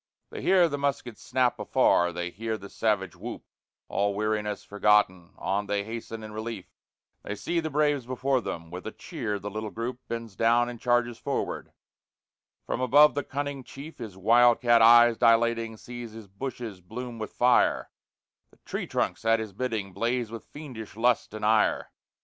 They hear the muskets snap afar, they hear the savage whoop All weariness forgotten, on they hasten in relief; They see the braves before them with a cheer the little group Bends down and charges forward; from above the cunning Chief, His wild cat eyes dilating, sees his bushes bloom with fire, The tree trunks at his bidding blaze with fiendish lust and ire.